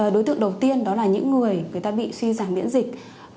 đối tượng đầu tiên đó là những người bị suy giảm miễn dịch